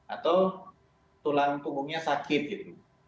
atau tulang punggungnya sakit gitu